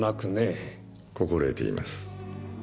心得ています。